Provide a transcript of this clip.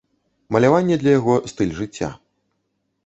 Маляванне для яго стыль жыцця.